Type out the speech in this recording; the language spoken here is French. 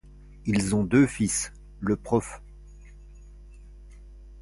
Ils ont deux fils, le Prof.